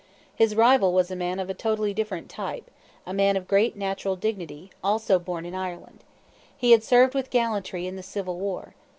His rival was a man of totally different type, a man of great natural dignity, also born in Ireland. He had served with gallantry in the Civil War.